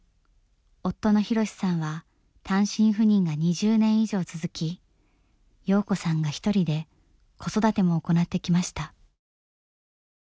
夫の博さんは単身赴任が２０年以上続き洋子さんが一人で子育ても行ってきました。